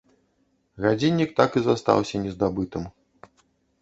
Гадзіннік так і застаўся не здабытым.